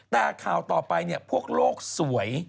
แต่ข่าวต่อไปพวกโลกสวย